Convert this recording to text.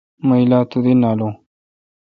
مہ الا تودی نالون۔